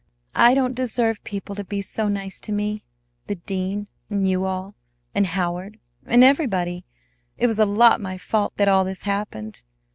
I don't deserve people to be so nice to me, the dean, and you all, and Howard and everybody. It was a lot my fault that all this happened.